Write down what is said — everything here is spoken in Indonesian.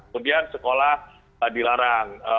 kemudian sekolah dilarang